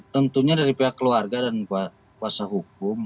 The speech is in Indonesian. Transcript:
tentunya dari pihak keluarga dan kuasa hukum